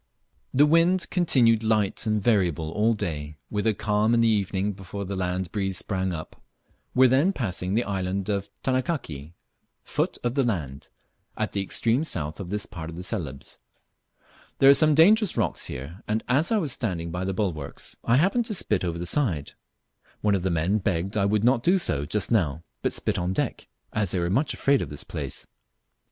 The wind continued light and variable all day, with a calm in the evening before the land breeze sprang up, were then passing the island of "Tanakaki" (foot of the land), at the extreme south of this part of Celebes. There are some dangerous rocks here, and as I was standing by the bulwarks, I happened to spit over the side; one of the men begged I would not do so just now, but spit on deck, as they were much afraid of this place.